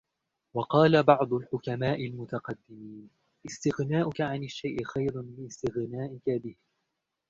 وَقَالَ بَعْضُ الْحُكَمَاءِ الْمُتَقَدِّمِينَ اسْتِغْنَاؤُك عَنْ الشَّيْءِ خَيْرٌ مِنْ اسْتِغْنَائِك بِهِ